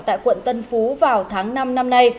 tại quận tân phú vào tháng năm năm nay